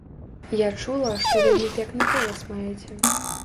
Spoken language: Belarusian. Я чула, што вельмі пекны голас маеце.